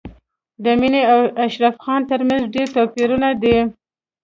د مينې او اشرف خان تر منځ ډېر توپیرونه دي